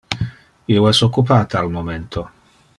Io es occupate al momento.